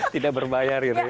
tidak berbayar itu ya